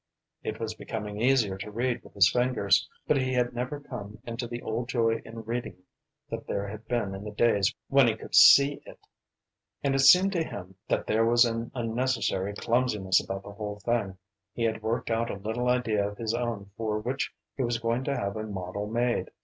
It was becoming easier to read with his fingers, but he had never come into the old joy in reading that there had been in the days when he could see it. And it seemed to him that there was an unnecessary clumsiness about the whole thing. He had worked out a little idea of his own for which he was going to have a model made.